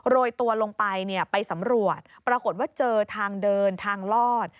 โรยตัวลงไปไปสำรวจปรากฏว่าเจอทางเดินทางลอด